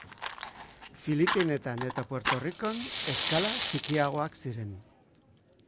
Filipinetan eta Puerto Ricon eskala txikiagoak ziren.